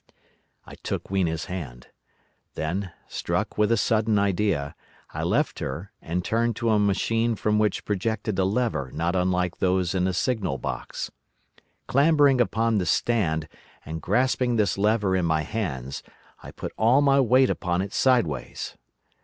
"I took Weena's hand. Then, struck with a sudden idea, I left her and turned to a machine from which projected a lever not unlike those in a signal box. Clambering upon the stand, and grasping this lever in my hands, I put all my weight upon it sideways.